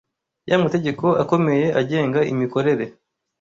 Ya mategeko akomeye agenga imikorere